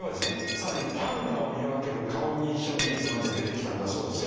更にパンダを見分ける顔認証技術まで出てきたんだそうですよ。